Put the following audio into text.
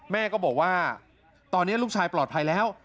แม่ก็บอกว่าตอนนี้ลูกชายปลอดภัยแล้ว